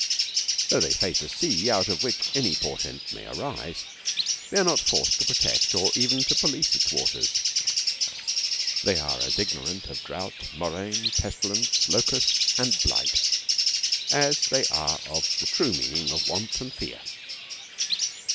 Though they face a sea out of which any portent may arise, they are not forced to protect or even to police its waters. They are as ignorant of drouth, murrain, pestilence locusts, and blight, as they are of the true meaning of want and fear.